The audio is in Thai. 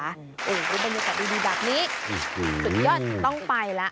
เออบรรยากาศดีดีดักนี้สุดยอดต้องไปละ